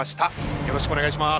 よろしくお願いします。